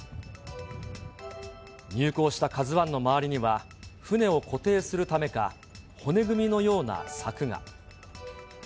入港したＫＡＺＵＩの周りには、船を固定するためか、骨組みのような柵が。